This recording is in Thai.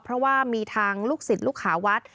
เพราะว่ามีทางลูกศิษย์ลูกหาวัด